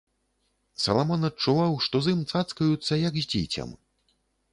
Саламон адчуваў, што з ім цацкаюцца, як з дзіцем.